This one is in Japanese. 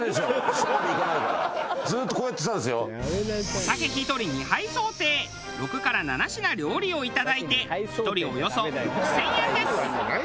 お酒１人２杯想定６７品料理をいただいて１人およそ６０００円です。